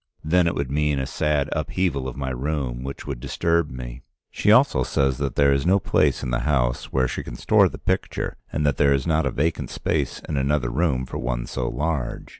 Then it would mean a sad upheaval of my room, which would disturb me. She also says that there is no place in the house where she can store the picture, and there is not a vacant space in another room for one so large.